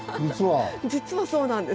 実はそうなんです。